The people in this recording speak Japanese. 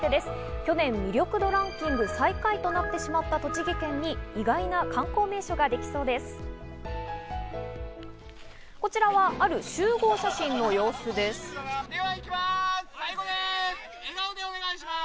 去年、魅力度ランキングで最下位になってしまった栃木県に意外な観光名所ができそうです。